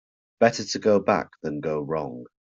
Better to go back than go wrong.